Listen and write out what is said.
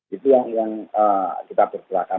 itu yang kita perkerakan